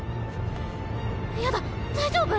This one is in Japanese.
やだ大丈夫！？